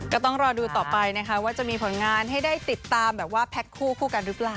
ก็ต้องรอดูต่อไปนะคะว่าจะมีผลงานให้ได้ติดตามแบบว่าแพ็คคู่คู่กันหรือเปล่า